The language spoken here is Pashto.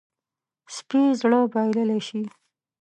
سپي زړه بایللی شي.